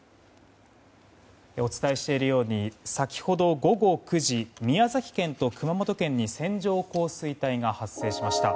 お伝えしているように先ほど午後９時宮崎県と熊本県に線状降水帯が発生しました。